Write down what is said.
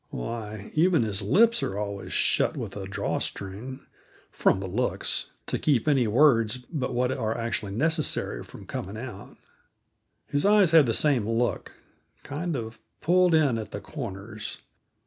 Why, even his lips are always shut with a drawstring from the looks to keep any words but what are actually necessary from coming out. His eyes have the same look, kind of pulled in at the corners.